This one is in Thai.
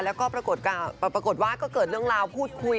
แล้วก็ปรากฏว่าก็เกิดเรื่องราวพูดคุย